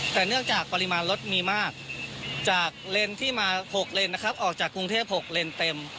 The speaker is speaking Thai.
แต่เนื่องจากปริมาณรถมีมากจากเลนส์ที่มา๖เลนนะครับออกจากกรุงเทพ๖เลนเต็ม